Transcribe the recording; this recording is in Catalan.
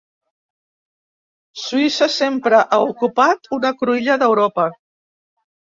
Suïssa sempre ha ocupat una cruïlla d'Europa.